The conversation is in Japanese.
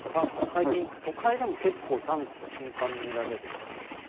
最近都会でも結構狸が頻繁に見られるようになったと。